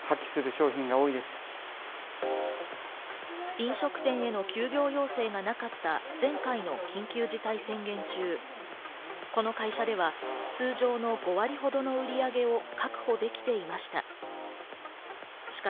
飲食店への休業要請がなかった前回の緊急事態宣言中、この会社では通常の５割ほどの売り上げを確保できていました。